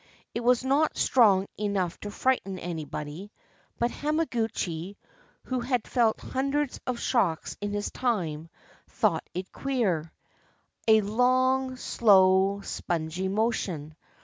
It was not strong enough to frighten anybody; but Hamaguchi, who had felt hundreds of shocks in his time, thought it was queer, — a long, slow, spongy motion.